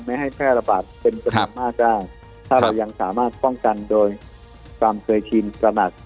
ไม่ให้แพร่ระบาดเป็นจำนวนมากได้ถ้าเรายังสามารถป้องกันโดยความเคยชินตระหนัก